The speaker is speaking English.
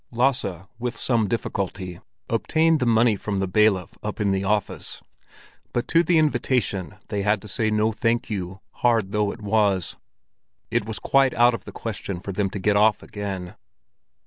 Lasse, with some difficulty, obtained the money from the bailiff up in the office, but to the invitation they had to say "No, thank you," hard though it was; it was quite out of the question for them to get off again.